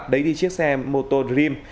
đẩy đi chiếc xe mô tô dream